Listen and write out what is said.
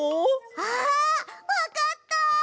あわかった！